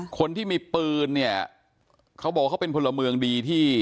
คนที่มีปืนเนี่ยเขาบอกเขาเป็นพลเมืองดีที่